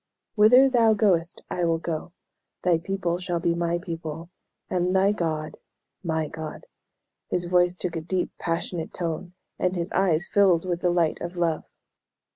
"'Whither thou goest I will go; thy people shall be my people, and thy God my God.'" His voice took a deep, passionate tone, and his eyes filled with the light of love.